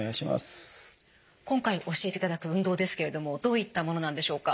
今回教えていただく運動ですけれどもどういったものなんでしょうか？